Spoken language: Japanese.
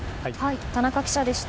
田中記者でした。